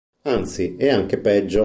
Anzi, è anche peggio.